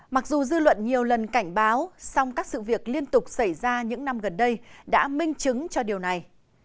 mặc dù dư luận nhiều lần cảnh báo song các sự việc liên tục xảy ra những năm gần đây đã minh chứng cho điều này